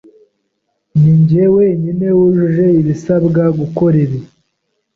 Ninjye wenyine wujuje ibisabwa gukora ibi.